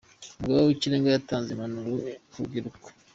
umugaba w'ikirenga yatanze impanuro kurubyiruko.